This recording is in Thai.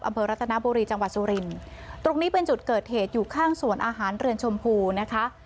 อำเภอรัตนบุรีจังหวัดสุรินตรงนี้เป็นจุดเกิดเหตุอยู่ข้างสวนอาหารเรือนชมพูนะคะ